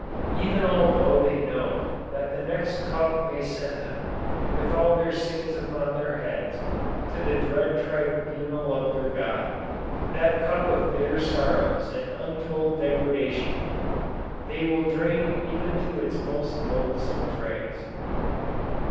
Even although they know that the next cup may send them, with all their sins upon their heads, to the dread tribunal of their God, that cup of bitter sorrows and untold degradation, they will drain even to its most loathsome dregs.